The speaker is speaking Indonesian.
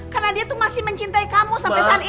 karena dia itu masih mencintai kamu sampai saat ini